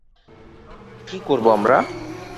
কী করবো আমরা?